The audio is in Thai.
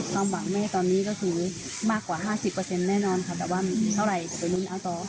ความหวังแม่ตอนนี้ก็คือมากกว่า๕๐แน่นอนค่ะแต่ว่ามีเท่าไหร่จะไปลุ้นเอาต่อ